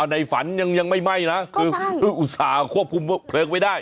ในฝันยังไม่ไหม้นะคืออุตส่าห์ควบคุมเพลิงไว้ได้